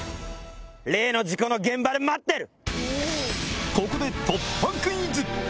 例の事故の現場で待ってる！